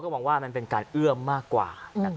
ก็คิดว่ามันก็จะเกล็ดมากกว่า